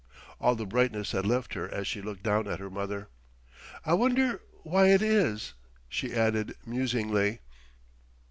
All the brightness had left her as she looked down at her mother. "I wonder why it is?" she added musingly.